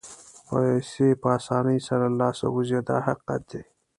پیسې په اسانۍ سره له لاسه وځي دا حقیقت دی.